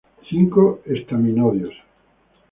Cinco estaminodios.